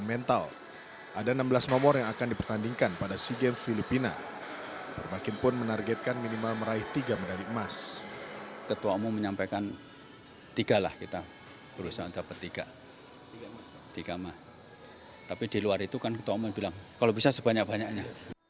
tiga emas tapi di luar itu kan ketua umum bilang kalau bisa sebanyak banyaknya